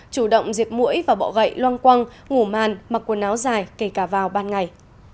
chủ động diệt mũi và bọ gậy loang quăng ngủ màn mặc quần áo dài kể cả vào ban ngày